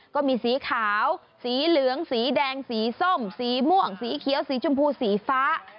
ก็มีสีขาวสีเหลืองสีแดงสีส้มสีม่วงสีเขียวสีชมพูสีฟ้า